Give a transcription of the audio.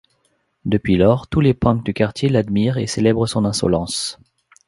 Depuis lors, tous les punk du quartier l'admirent et célèbrent son insolence.